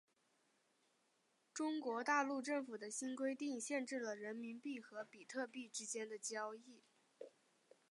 中国大陆政府的新规定限制了人民币和比特币之间的交易。